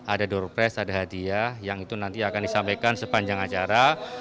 ada door press ada hadiah yang itu nanti akan disampaikan sepanjang acara